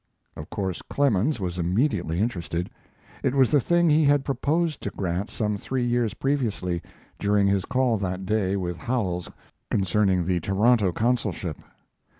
Of course Clemens was immediately interested. It was the thing he had proposed to Grant some three years previously, during his call that day with Howells concerning the Toronto consulship.